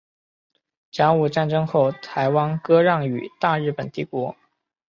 甲午战争后台湾割让予大日本帝国。